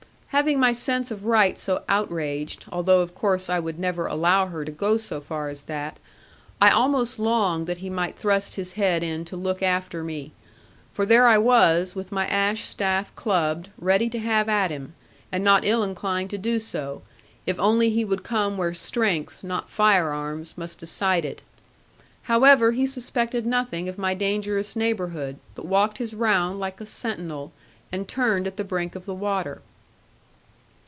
Having my sense of right so outraged (although, of course, I would never allow her to go so far as that), I almost longed that he might thrust his head in to look after me. For there I was, with my ash staff clubbed, ready to have at him, and not ill inclined to do so; if only he would come where strength, not firearms, must decide it. However, he suspected nothing of my dangerous neighbourhood, but walked his round like a sentinel, and turned at the brink of the water.